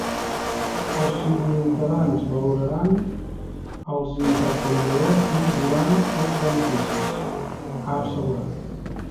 “Els ciutadans valoraran els intercanviadors i voran els beneficis”, ha assegurat.